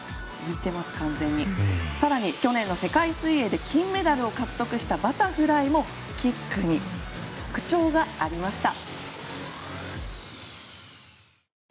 更に、去年の世界水泳で金メダルを獲得したバタフライもキックに特徴がありました。